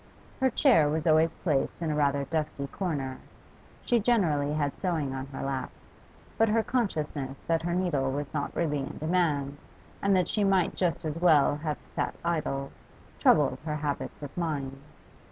Her chair was always placed in a rather dusky corner; she generally had sewing on her lap, but the consciousness that her needle was not really in demand, and that she might just as well have sat idle, troubled her habits of mind.